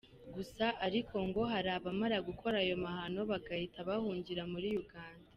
Gusa ariko ngo hari abamara gukora ayo mahano bagahita bahungira muri Uganda.